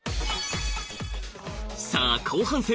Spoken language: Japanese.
さあ後半戦！